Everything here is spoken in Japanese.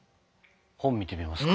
本見てみますか。